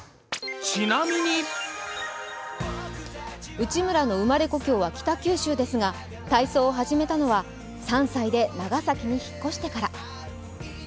内村の生まれ故郷は北九州ですが体操を始めたのは３歳で長崎に引っ越してから。